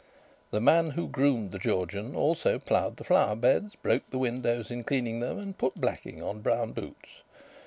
The man who groomed the Georgian also ploughed the flowerbeds, broke the windows in cleaning them, and put blacking on brown boots.